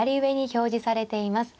表示されています。